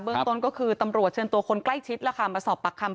ต้นก็คือตำรวจเชิญตัวคนใกล้ชิดมาสอบปากคำ